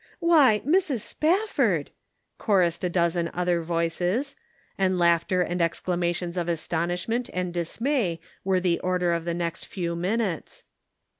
" Why, Mrs. Spafford !" chorused a dozen A Problem. 247 other voices ; and laughter and exclamations of astonishment and dismay were the order of the next few minutes.